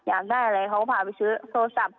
อยากได้อะไรเขาก็พาไปซื้อโทรศัพท์